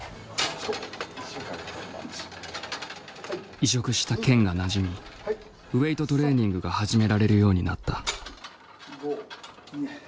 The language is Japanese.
移植した腱がなじみウエイトトレーニングが始められるようになった。